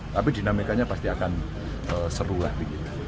tapi dinamikanya pasti akan seru lagi